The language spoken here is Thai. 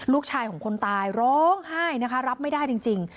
ลูกชายของคนตายร้องไห้นะคะรับไม่ได้จริง